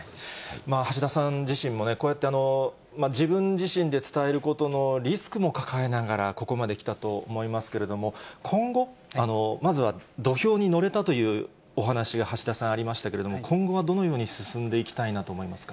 橋田さん自身も、こうやって、自分自身で伝えることのリスクも抱えながら、ここまで来たと思いますけれども、今後、まずは土俵に乗れたというお話が、橋田さん、ありましたけども、今後はどのように進んでいきたいなと思いますか。